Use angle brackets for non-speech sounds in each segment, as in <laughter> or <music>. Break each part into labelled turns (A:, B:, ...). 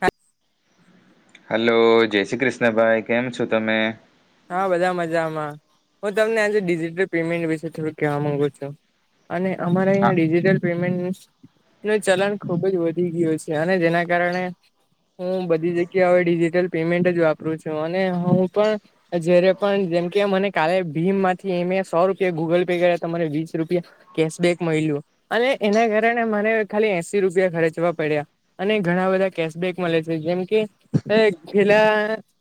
A: હા. <unintelligible>
B: હલો જય શ્રી કૃષ્ણભાઈ કેમ છો તમે?
A: હા બધા મજામાં, હું તમને આજે ડિજિટલ પેમેન્ટ વિશે થોડું કહેવા માંગુ છું. અને અમારા
B: હા
A: અહીં ડિજિટલ પેમેન્ટ નું ચલન ખુબ જ વધી ગયું છે અને જેના કારણે. હું બધી જગ્યા હવે ડિજિટલ પેમેન્ટ જ વાપરું છું અને હું પણ જયારે પણ જેમ કે મને કાલે ભીમ માંથી મે સો રૂપિયા ગૂગલ પે કર્યા મને વીસ રૂપિયા કેશબક મયલુ અને એના કારણે મારે ખાલી એસી રૂપિયા ખર્ચવા પડ્યા અને ઘણા બધા કેશબેક મળે છે જેમ કે. એ પેલા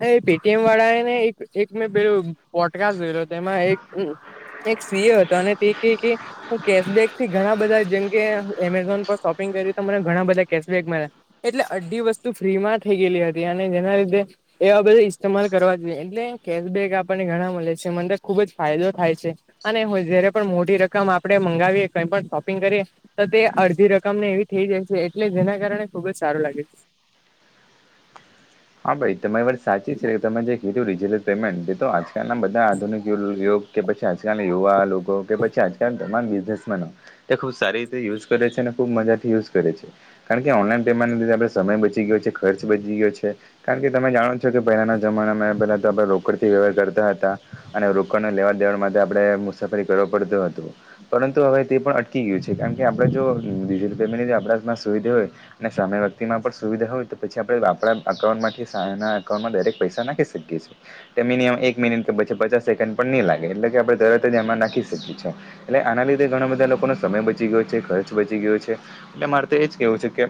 A: એ પે ટી એમ વાળા ને એક એક મેં પેલું પોડકાસ્ટ જોયલો તેમાં એક એક સીએ હતા અને તે કેય કે હું કેશબેક થી ઘણા બધા જેમ કે એમેઝોન પર શોપિંગ કર્યું તો મને ઘણા બધા કેશબેક મળ્યા એટલે અધી વસ્તુ ફ્રી માં થઇ ગયેલી હતી અને જેના લીધે એવા બધા ઇસ્તેમાલ કરવા જોઈએ એટલે કેશબેક આપણને ઘણા મળે છે મને ખુબ જ ફાયદો થાય છે. અને જયારે પણ મોટી રકમ આપડે મંગાવીએ કઈ પણ શોપિંગ કરીએ. તો તે અડધી રકમ ને એવી થઈ જાય છે એટલે જેના કારણે ખુબ જ સારું લાગે છે
B: હા ભાઈ તમારી વાત સાચી છે કે તમે જે કીધું ડિજિટલ પેમેન્ટ એ તો આજકાલના બધા આધુનિક યોગ કે પછી આજકાલના યુવા લોકો કે પછી આજકાલ તમામ બિઝનેસમેનો. એ ખુબ સારી રીતે યુઝ કરે છે ને ખૂબ મજાથી યુઝ કરે છે. કારણ કે ઓનલાઈન પેમેન્ટના લીધે આપણે સમય બચી ગયો છે ખર્ચ બચી ગયો છે. કારણ કે તમે જાણો છો કે પહેલાના જમાનામાં પહેલા તો આપડે રોકડથી વ્યવહાર કરતા હતા અને રોકડના લેવડ દેવડ માટે આપડે મુસાફરી કરવા પડતું હતું પરંતુ હવે તે પણ અટકી ગયું છે કારણ કે આપડે જો ડિજટલ પેમેન્ટની આપડામાં સુવિધી હોય ને સામે વ્યક્તિ માં પણ સુવિધા હોય તો પછી આપડે આપડા અકાઉન્ટ મા કે સાના અકાઉન્ટમાં ડાયરેક પૈસા નાખી શકીએ છે તે મિનિમમ એક મિનિટ કે પછી પચાસ સેકન્ડ પણ નહીં લાગે એટલે કે આપડે તરત જ એમાં નાખી શકીયે છે એટલે આના લીધે ઘણા બધા લોકોનો સમય બચી ગયો છે ખર્ચ બચી ગયો છે એટલે મારે તો એજ કેવું છે કે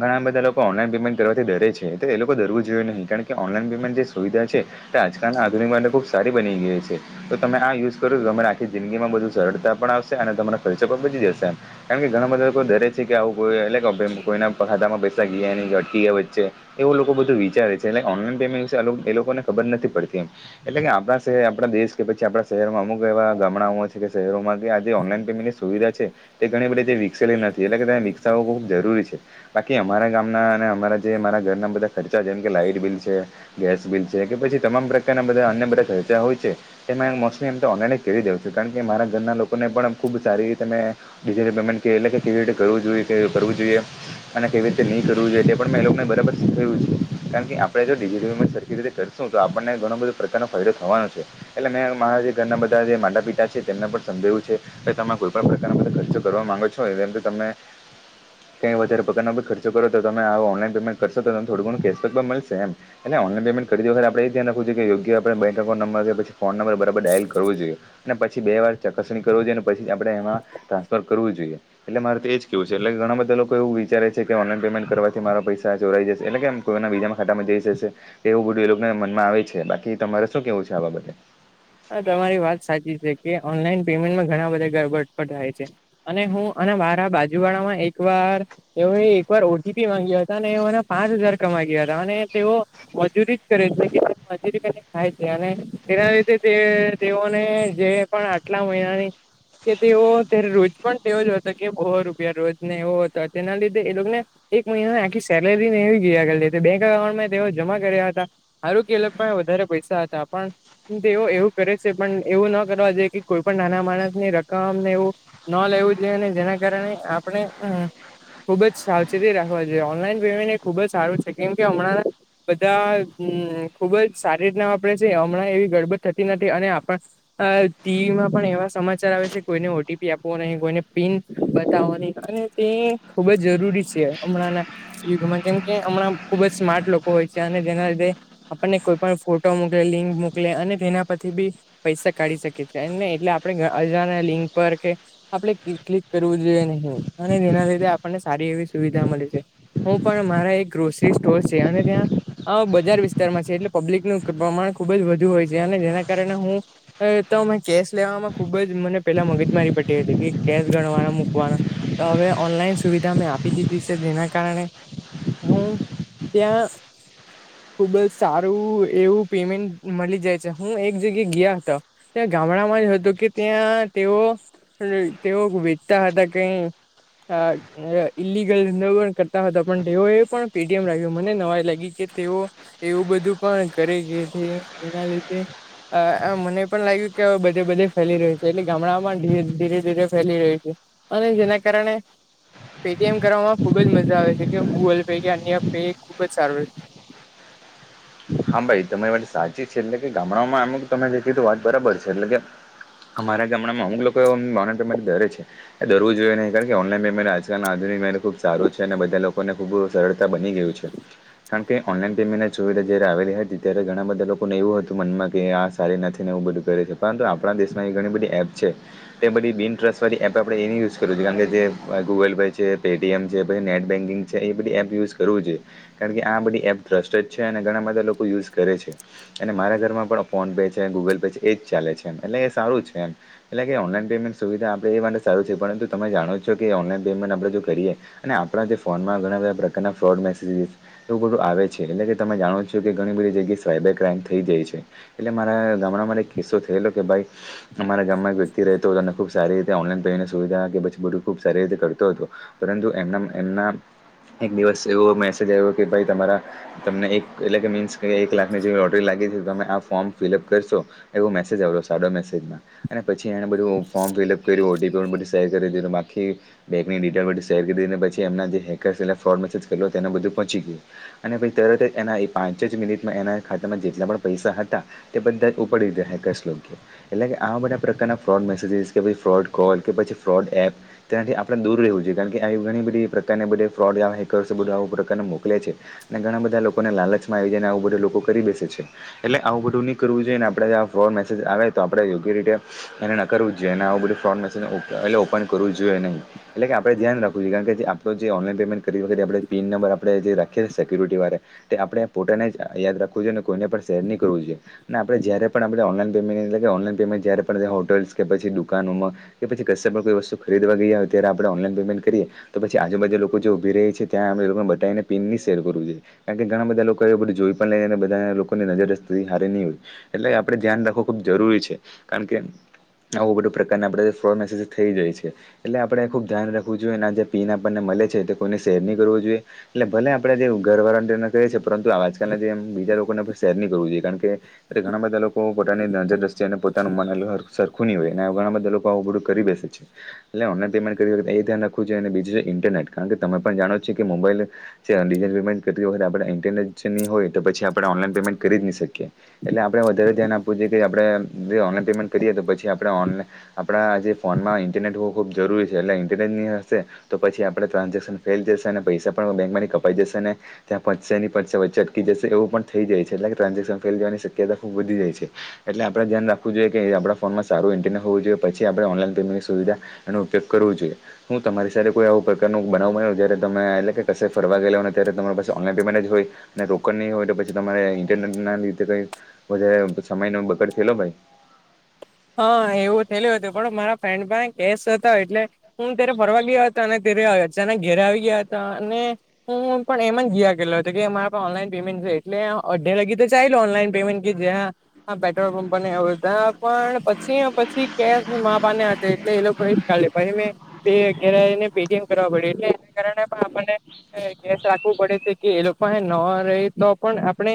B: ઘણા બધા લોકો ઓનલાઈન પેમેન્ટ કરવાથી ધરે છે લોકો કરવું જોએ નહી કારણ કે ઓનલાન પેમેન્ટ જે સુવિધા છે તે આજકાલના આધુિક માટે ખુબ સારી બની ગઈ છે તો તમે આ યુઝ કરો તો તમારે આખી જિંદગીમાં બધુ સરળતા પણ આવશે અને તમારા ખર્ચો પણ બચી જશે એમ કેમ કે ઘણા બધા લોકો ડરે છે કે આવું કોઈ એટલે કે કોઈના ખાતામાં પૈસા ગિયા ને અટકી ગયા વચ્ચે એવું લોકો બધું વિચારે છે એટલે ઓનલાઈન પેમેન્ટ વિશે એ લોકોને ખબર નથી પડતી એમ એટલે કે આપડા શહેર આપડા દેશ કે પછી આપડા શહેરમાં અમુક એવા ગામડાઓ છે કે શહેરોમાં કે આજે ઓનલાઈન પેમેન્ટ સુવિધા છે તે ઘણી બધી તે વિકસેલી નથી એટલે કે તેને વિકસાવું ખુબ જરૂરી છે બાકી અમારા ગામના અને અમારા જે અમારા ઘરના બધા ખર્ચા જેમ કે લાઈટ બિલ છે ગેસ બિલ છે કે પછી તમામ પ્રકારના બધા અન્ય બધા ખર્ચા હોય છે તેમા મોસ્ટલી એમ તો ઓનલાઈન જ કરી દઉ છું કારણ કે મારા ઘરના લોકોને પણ ખૂબ સારી રીતે મે ડિજિટલ પેમેન્ટ એટલે કેવી રીતે કરવું જોઈએ કે કરવું જોઈએ અને કેવી રીતે ની કરવું જોઈએ તે પણ મે એ લોકો ને બરાબર શીખાય્યું છે કારણ કે આપડે જો ડિજિટલ પેમેન્ટ સરખી રીતે કરશું તો આપણને ઘણો બધો પ્રકારનો ફાયદો થવાનો છે એટલે મેં મારા જે ઘરના બધા જે માતા પિતા છે તેમને પણ સમજાવ્યું છે તે તમે કોઈ પણ પ્રકારનો બધા ખર્ચો કરવા માંગો છો એમ કે તમે કઈ વધારે <unintelligible> ભી ખર્ચો તો તમે આવો ઓનલાઈન પેમેન્ટ કરશો તો તને થોડું ઘણું કેશબેક પણ મળશે એમ એટલે ઓનલાઈન પેમેન્ટ કરી દેવું હોય આપડે એજ ધ્યાન રાખવું જોઈએ કે યોગ્ય આપડે બેંકાઉન્ટ નંબર પછી ફોન નંબર બ ડાયલ કરવો જોઈએ અને પછી બે વાર ચકાસણી કર જોઈએ અને પછી આપડે એમાં ટ્રાન્સફર કરવું જોઈએ એટલે મારે તો એજ કેવું છે એટલે ઘણા બધા લોકો એવું વિચારે છે કે ઓનલાઈન પેમેન્ટ કરવાથી મારા પૈસા ચોરાઈ જશે એટલે કે એમ કોઈના બીજામાં ખતામાં જઈ જશે એવું બધું એ લોકોને મનમાં આવે છે બાકી તમારે શું કેવું છે આ બાબતે
A: હા તમારી વાત સાચી છે કે ઓનલાઈન પેમેન્ટમાં ઘણા બધા ગરબડ પણ થાય છે અને હું અને મારા બાજુવાળા માં એક વાર તેઓએ એકવાર ઓ ટી પી માંગ્યા હતા અને એના પાંચ હજાર કમા ગયા હતા અને તેઓ મજૂરી જ કરે છે કે મજૂરી કરી ખાય છે અને, તેના તે તેઓને જે પણ આટલા મહિનાની. કે તેઓત્યારે રોજ પણ તેઓ જ હતો કે બહો રૂપિયા રોજ ને એવો હતો તેના લીધે એ લોકોને. એક મહિના આખી સેલેરી ને એવી ગઈ આગળ જે બેંક એકાઉન્ટમાં તેઓ જમા કર્યા હતા. સારું કેલ ભાઈ વધારે પૈસા હતા પણ તેવ એવું કરે છે પણ એવું ના કરવા દઈએ કે કોઈ પણ નાના માણસ ની રકમ ને એવું. ન લેવું જોઈએ અનેને જેના કારણે આપણે ખુબ જ સાવચેતી રાખવા જોઈએ ઓનલાઈન પેમેન્ટ એ ખુબ જ સારું છે કેમ કે હમણાં બધામ ખુબ જ સારી રીતના વાપરેે છે હમણાં એવી ગડબડ થતી નથી અને આપ અ ટીવી માં પણ એવા સમાચાર આવે છે કોઈને ઓ ટી પી આપવાો નહી, કોઈને પિન બતાવવા નહી, અને એ ખુબ જ જરૂરી છે હમણાંને યુગમાં જેમ કે હમણાં ખુબ જ સ્માર્ટ લોકો હોય છે અને જેના લીધે આપણને કોઈ પણ ફોટો મકલે લિંક મુક અને તેના પછી બી પૈસા કાઢ શકે છે એમ નહી એટલે આપણે અજાના લિંક પર કે આપણે ક્લિક કરવું જોઈએ નહી, અને જેના લીધે આપણને સારી એવી સુવિધા મળી છે. હું પણ મારા એક ગ્રોસરી સ્ટોર છે અને ત્યાં હા બજાર વિસ્તારમાં છે એટલે પબ્લિકનું પ્રમાણ ખુબ જ વધુ હોય છે અને જેના કારણે હું તો અમે કેશ લેવામાં ખુબ જ મને પેલા મગજમારી પતી હતી કે કેશ ગણવાના મૂકવાનો. તો હવે ઓનલાઈન સુવિધા મેં આપી દીધી છે જેના કારણે હું ત્યાં ખુબ જ સારું એવું પેમેન્ટ મળી જાય છે હું એક જગ્યા ગયા હતા, ત્યાં ગામડામાં જ હતોું કે ત્યાં તેઓ અને તેઓ વેચતા હતા કઈ આ ઈલિગલ ન પણ કરતાતા પણ તેઓ એ પણ પેડીએમ રાખ્યું મને નવાઈ લાગી કે તેઓ એવું બધું પણ કરે ગ છે એના લીધે. અ મને એ પણ લાગ્યું કેવે બધે બધે ફેલી રહ્યું છે એટલે ગામડામાં ધીરે ધીરે ફેલી રહ્યું છે. અને જેના કારણે પેટીએમ કરવામાં ખુબ જ મજા આવે છે કે ગૂગલ પે કે અન્ય પે ખુબ જ સારું છે.
B: હા ભાઈ તમારી વાત સાચી છે એટલે કે ગામડાઓમાં અમુક તમે જે કી તો વાત બરાબર છે એટલે કે અમારા ગામડામાં અમુક લોકો મા તો તમારી દરે છે. એ દરવું જોઈએ નહી કારણ કે ઓનલાઈન પેમેન્ટ આજકાલ આધુનિક ખુબ સારું છે અને બધા લોકોને ખુબ સરળ બની ગયું છે, કારણ કે ઓનલાઈન પેમેન્ટ સુવિધા જયારે આવેલી હતી ત્યારે ઘણા બધા લોકોને એવું હતું મનમાં કે આ સારી નથી ને એવું બધું કરે છે. પરંતુ આપણા દેશમાં એ ઘણી બધી એપ છે. તે બધી બિન ટ્રસ્ટવાળ એપ આપણે એ યુઝ કરું છું કારણ કે જે ગૂગલ પે છે પેટીએમ છે પછી નેટ બેન્કિંગ. એ બધ એપ યુઝ કરવું જોઈએ, કારણ કે આ બધી એપ્ર છે અને ઘણા બધા લોકો યુઝ કરે છે. અને મારા ઘરમાં પણ ફોન પે છે ગૂગલ પે છે એજ ચાલે છે એમ એટલે એ સારું છે એમ. એટલે કે ઓનલાઈન પેમેન્ટ સુવિધા આપણે એ માટે સારું છે પરંતુ તમે જાણો છો કે ઓનલાઈન પેમેન્ટ આપણે જો કરીએ. અને આપણા જે ફોનમાં ઘણા બધા પ્રકારના ફ્રોડ મેસેજસ, એવું બધું આવે છે એટલે કે તમે જાણો છ કે ઘણી બધી જગ્યાએ સાયબર ક્રાઈમ થઈ જાય છે, એટલે મારા ગામડામાંને એક કિસ્સો થયેલો કે ભાઈ. અમારા ગામમાં એક વ્યક્તિ રહેતો હતો અને ખુબ સારી રીતે ઓનલાનને સુવિધા કે પછી બધું ખુબ સારી રીતે કરતો હતો. પરંતુ એમના એક દિવસ એવો મેસેજ આવ્યો કે ભાઈ તમારા, તમને એક એટલે કે મીન્સ કે એક લાખની જેવી ઓટરી લાગી છે તો તમે આ ફોર્મ ફિલઅપ કરશો. એવો મેસેજ આવડો સાદો મેસેજ માં. અને પછી એને બધું ફોર્મ ફિલઅપ કર્યું ઓપી બધું શેર કરી દીધું બાકી બેંકની ડિટેલ શેર કરી દી પ એમના જે ફોડ મેસેજ કર એને બધું પહોચી ગયું અને પ તરત એના પાંચ જ મિનિટમાં એના ખાતામાં જેટલા પણ પૈસા હતા તે બધા જ ઉપડી દેાય કસલો કે્ય એટલે કે આવા બધા પ્રકારના ફ્રોડ મેસેજીસ કે ભછી ફ્રોડ કોલ કે પછી ફ્રોડ એપ ત્યાંથી આપણે દૂર રહેવું જોઈએ કારણ કે આવી ઘણી બધી પ્રકારને બધ ફ્રોડ હેકર્સ પ્રકારને મોકલ્યા છે. ને ઘણા બધા લોકોને લાલચમાં આવી જાય ને આવું બધું લોકો કરી બેસે છે. એટલે આવું બધું નહી કરવું જોઈએને આપડે ફોન મેસેજ આવે તો આપડે યોગ્ય રીતે એને નકારવું જ જોઈએ એને આવું બધું ફ્રોડ મન એટલે ઓપન કરવું જ જોઈએ નહી એટલે કે આપણે ધ્યાન રાખવું છેએ કારણ કે જે આપડો જે ઓનલાઈન પેમેન્ટ કરી વખત આપ પીન નંબર આપણે જે રાખીએ સિક્યુરિટી વારે તે આપણે પોતાને જ યાદ રાખવું જોઈએ અને કોઈને પણ શેર નહી કરવું જોઈએ અને આપણે જયારે પણ આપણે ઓનલાઈન પેમેન્ટ એ કે ઓનલાઈન પેમેન્ટ જ્યારેારે પણ હોટટેલ્સ કે પછી દુકાનોમાં કે પછી કશ પણ કોઈ વસ્તુ ખરીદવા ગઈ હોય ત્યારે આપણે ઓનલાઈન પેમેન્ટ કરીએ તો પછી આજુબાજુ લોકો જે ઉભી રહી છે ત્યાં લોકોને બને પીન ની સેલ કરવું જોઈએ કારણ કે ઘણા બધા લોકો બધી જોઈ પણ લઈ અને બધા લોકોને નજરસ્તી હારે નહીં હોય એટલે આપડે ધ્યાન રાખવું ખૂબ જરૂરી છે કારણ કે આવું બધું પ્રકારના આપણે જે ફોર મેસીજ થઈ જાય છે. એટલે આપણેે ખુબ ધ્યાન રાખવું જોઈએ અને જે પીન આપણને મળે છે તે કોઈને શેર નહી કરવો જોઈએ એટલે ભલે આપડે જેવું ઘર વાળાનેને કએ છે. પરંતુ આજકાલના જેમ બીજા લોકોને શેર નહી કરવું જોઈએ કારણ કે ઘણા બધા લોકો પોતાની નજર જેને પોતાનું મન સરખું ન હોય અને ઘણા બધા લોકો આવું બધું કરી બેસે છે. એટલે ઓનલાઈન પેમેન્ટ કર કરી એ ધ્યાન રાખવું જોઈ અને બીજું છે ઇન્ટરનેટ કારણ કે તમે પણ જાણો છો કે મોબાઈલ પેમેન્ટ કરતી વખતે આપ ઇન્ટરનેટ હોય તો પછી આપ ઓનલાઈન પેમેન્ટ કરી જ નહી શકીએ એટલે આપણે વધારે ધ્યાન આપવું જોઈએ કે આપણે જે ઓનલાઈન પેમેન્ટ કરીએ તો પછી આપણે ઓનલાઈન આપણા આજે ફોનમાં ઇન્ટરનેટ હોવું ખૂબ જરૂરી છે એટલે ઇન્ટરનેટ ની હશે તો પછી આપણે ટ્રાન્ઝેક્શન ફેલ જશે અને પૈસા પણ બેંકમાંની કપાઈ જશે ને ત્યાં પ સેની પણ સય ચટકી જશે એવું પણ થઈ જાય છે એટલે કે ટ્રાન્ઝેક્શન ફેલ જવાની શક્યતા ખૂબ વધી જાય છે. એટલે આપણે ધ્યાન રાખવું જોઈએ કે આપણા ફોનમાં સારું ઇન્ટરનેટ હોવ જોઈએ પછી આપણે ઓનલાઈન પેમેન્ટની સુવિધા એનો ઉપયોગ કરવો જોઈએ. હું તમારી સાથે કોઈ આવું પ્રકારનો બનાવ બન્યો જયારે તમે એટલે કે કશે ફરવા ગેયલા ને ત્યારે તમારી પાસે ઓ ઓનલાઇન પેમેન્ટ જ હોય ને રોકડ ની હોય તો પછી તમારે ઇન્ટરનેટના લીધે કંઈ વધારે સમયનો બગાડ થયલો ભાઈ
A: હા એવું થયેલું હતું પણ મારા ફ્રેન્ડ પાહે કેશ હતા એટલે હું ત્યારે ફરવા ગયા હતા અને ત્યારે અચાનક ઘેરે આવી ગયા હતા અને હ હું પણ એમ જ ગીયા કલ્લો હતો કે મારા પર ઓનલાઈન પેમેન્ટ છે એટલે અઢે લગી તો ચાલ્યો ઓનલાઈન પેમેન્ટ કે જ્યાં પેટ્રોલપંપ એવું તા પણ પછી પછી કે મા બાને હતા એટલે એ લોકો એ જ કાઢે પછ મેં તે ઘેરે આવીને પે ટી એમ કરવા પડયું એટલે એને કારણે આપન ને કેશ રાખવું પડે છે કે એ લોક પાહે ન રેય તો પણ આપણે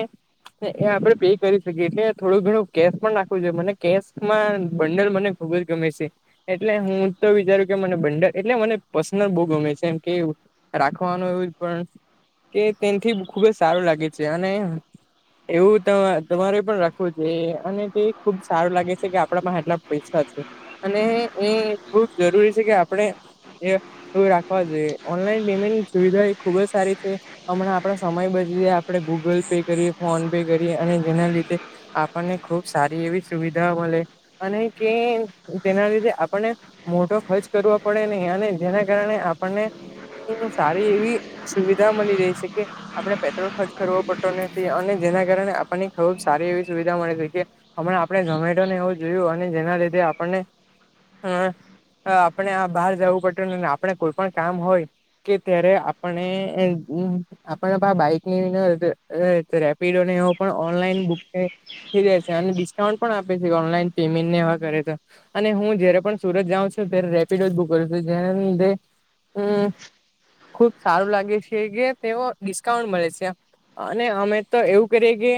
A: એ આપડે પે કરી શકીએ એટલે થોડું ઘણું કેશ પણ નાખવું જોઈએ મને કેશ માં બંદલ મને ખુબ જ ગમે છે. એટલે હું તો વિચારું કે મને બંડલ એટલે મને પર્સનલ બહુ ગમે છે એમ કેવું રાખવાનું એવું જ પણ કે તેનાથી ખુબ જ સારું લાગે છે અને એવું તો તમારે પણ રાખવું જો અને તે ખુબ સારું લાગે કે આપણા માં આટલા પૈસા છે અને એ ખુબ જરૂરી છે કે આપણે એ એવું રાખવા જોઈએ ઓનલાઈન પેમેન્ટની સુવિધા એ ખુબ જ સારી છે. અમણાં આપણા સમય બચી જાય. આપણે ગૂગલ પે કરીએ, ફોન પે કરીએ અને જેના લીધે આપન ને ખુબ સારી એવી સુવિધાઓ મલે અને કે તેના લીધે આપણને મોટો ખર્ચ કરવો પડે નઈ અને જેના કારણે આપણને <unintelligible> સારી એવી સુવિધા મલી રેય સે કે આપડણે પેટ્રોલ ખર્ચ કરવો પડતો નથી અને જેના કારણે આપન ને ખુબ સારી એવી સુવિધા મળે છે, કે અમણા આપણે ઝોમેટોને એવું જોયું અને જેના લીધે આપણને... અ અ આપણે આ બહાર જવું પડટુ નીને, આપણે કોઈ પણ કામ હોય. કે ત્યારે આપણે, અ અં આપણે પાહે બાઈક નીને એત અ રેય રેપિડોને એવ પણ ઓનલાઈન બુકિંગ થેય જાય સે અને ડિસ્કાઉન્ટ પણ આપે છે. ઓનલાઈન પેમેન્ટ ને એવા કરે તો. અને હું જયારે પણ સુરત જાઉં છું, ત્યારે રેપિડો જ બુક કરું છું. જેયના લીધે હમ્મ. ખુબ સારું લાગે છે, કે તેઓ ડિસ્કાઉન્ટ મળે સે મ. અને અમે તો એવું કરીએ કે,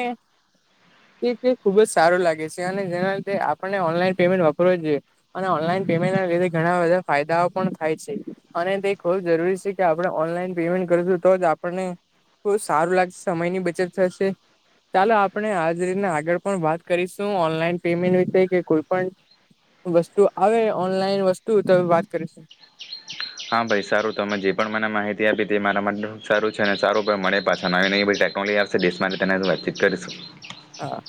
A: કે તે ખુબ જ સ સારુ લાગે સે અને જેના લીધે આપણને ઓનલાઈન પેમેન્ટ વાપરવું જોઈએ. અને ઓનલાઈન પેમેન્ટના લીધે ઘણા બધા ફાયદાઓ પણ થાય છે અને તે ખુબ જરૂરી સે. કે આપણે ઓનલાઈન પેમેન્ટ કરસુ, તો જ આપણને ખુબ સારુ લાગસ, સમયની બચત થશે. ચાલો આપણે આજ રીતના આગળ પણ વાત કરીશું, ઓનલાઈન પેમેન્ટ વિશે કે કોઈ પણ. વસ્તુ આવે ઓનલાઈન વસ્તુ તો વાત કરસું.
B: હા ભાઈ સારુ તમે જે પણ મને માહિતી આપી, તે મારા માટે ઉબ સારુ છે અને સારુ મળે પાછા નયી નયી બધ ટેકનોલો સદેશ માને તેન હારુ વાતચીત કરીશું.
A: હા